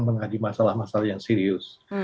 mengadil masalah masalah yang serius